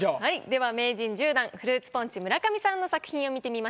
では名人１０段フルーツポンチ村上さんの作品を見てみましょう。